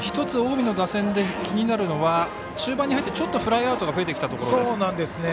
１つ、近江の打線で気になるのは中盤に入って少しフライアウトが増えてきたことです。